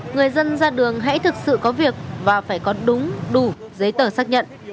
người dân ra đường hãy thực sự có việc và phải có đúng đủ giấy tờ xác nhận